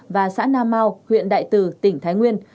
và xã nam mau huyện đại từ tỉnh thái nguyên